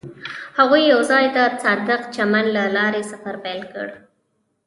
هغوی یوځای د صادق چمن له لارې سفر پیل کړ.